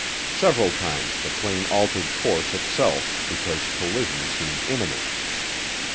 Several times the plane altered course itself because collision seemed imminent.